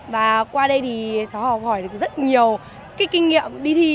và qua đây thì cháu học hỏi được rất nhiều cái kinh nghiệm đi thi